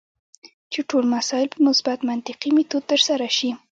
چې ټول مسایل په مثبت منطقي میتود ترسره شي.